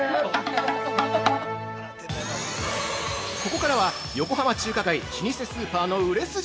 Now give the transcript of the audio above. ここからは、横浜中華街老舗スーパーの売れ筋！